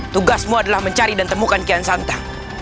tugasmu adalah mencari dan temukan kian santa